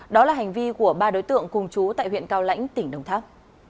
đó là hành vi của ba đối tượng cùng chú tại huyện cao lãnh tỉnh đồng tháp